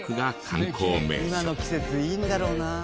今の季節いいんだろうな。